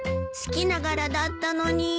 好きな柄だったのに。